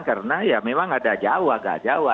karena ya memang ada jauh agak jauh